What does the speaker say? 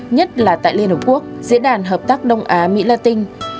nhất là tại liên hợp quốc diễn đàn hợp tác đông á mỹ la tinh